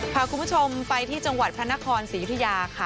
พาคุณผู้ชมไปที่จังหวัดพระนครศรียุธิยาค่ะ